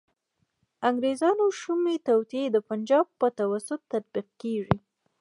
د انګریزانو شومي توطیې د پنجاب په توسط تطبیق کیږي.